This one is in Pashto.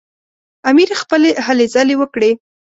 امیر خپلې هلې ځلې وکړې.